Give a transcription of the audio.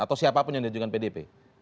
atau siapapun yang diajukan pdp